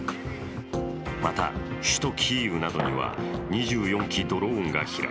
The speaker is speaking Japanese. また首都キーウなどには２４機ドローンが飛来。